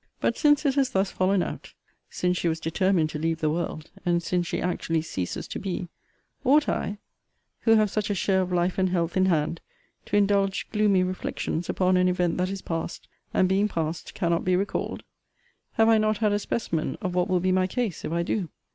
But, since it has thus fallen out; since she was determined to leave the world; and since she actually ceases to be; ought I, who have such a share of life and health in hand, to indulge gloomy reflections upon an event that is passed; and being passed, cannot be recalled? Have I not had a specimen of what will be my case, if I do.